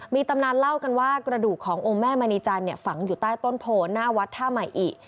มีตำนานเล่ากันว่ากระดูกของเอาโม่นแม่มณีจันทร์ฝังอยู่ใต้ต้นโพนาวัฒน์ธมาี